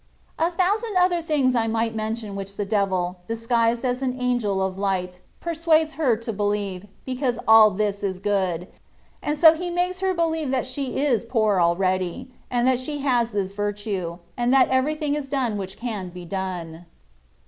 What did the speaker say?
'^ A thousand other things I might mention which the devil, disguised as an angel of light, persuades her to believe, be cause all this is good; and so he makes her believe that she is poor already, and that she has this virtue, and that everything is done which can be done.